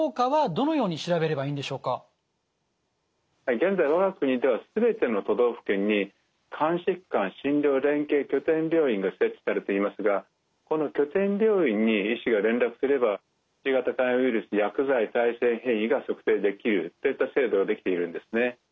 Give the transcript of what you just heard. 現在我が国では全ての都道府県に肝疾患診療連携拠点病院が設置されていますがこの拠点病院に医師が連絡すればＣ型肝炎ウイルス薬剤耐性変異が測定できるといった制度ができているんですね。